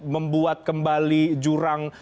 membuat kembali jurang